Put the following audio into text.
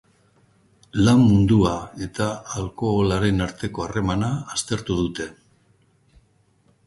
Lan mundua eta alkoholaren arteko harremana aztertu dute.